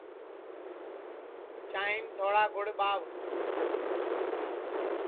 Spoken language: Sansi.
چانٚھیم تھوڑا گُڑ ٻاہوَ